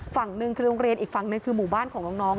ฝั่งหนึ่งคือโรงเรียนอีกฝั่งหนึ่งคือหมู่บ้านของน้อง